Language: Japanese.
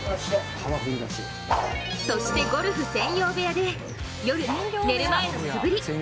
そしてゴルフ専用部屋で夜、寝る前の素振り。